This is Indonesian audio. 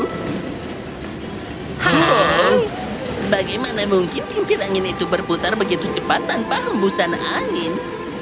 hahaha bagaimana mungkin pincir angin itu berputar begitu cepat tanpa hembusan angin